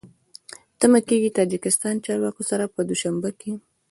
تمه کېږي له تاجکستاني چارواکو سره په دوشنبه کې